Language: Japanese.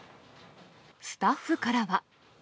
スタッフからは。